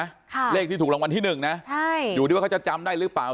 ค่ะเลขที่ถูกรางวัลที่หนึ่งนะใช่อยู่ที่ว่าเขาจะจำได้หรือเปล่า